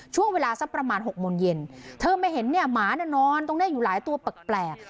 ช่วงเวลาสักประมาณหกโมงเย็นเธอไปเห็นเนี้ยหมานอนตรงเนี้ยอยู่หลายตัวแปลกแปลก